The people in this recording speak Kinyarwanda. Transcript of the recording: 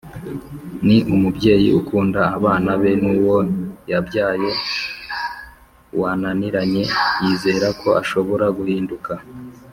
Ni umubyeyi ukunda abana be nuwo yabyaye wananiranye yizerako ashobora guhinduka